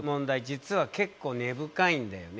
実は結構根深いんだよね。